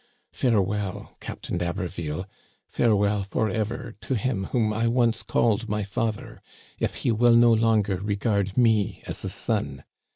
Farewell, Captain d*Haberville ; farewell forever to him whom I once called my father, if he will no longer regard me as a son.